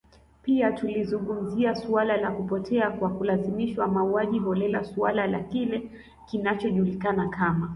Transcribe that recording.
Pia tulizungumzia suala la kupotea kwa kulazimishwa mauaji holela suala la kile kinachojulikana kama